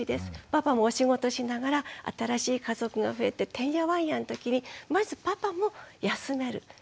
パパもお仕事しながら新しい家族が増えててんやわんやのときにまずパパも休める。